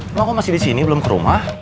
ma lo kok masih di sini belum ke rumah